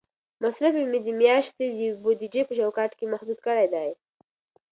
مصرف مې د میاشتنۍ بودیجې په چوکاټ کې محدود کړی دی.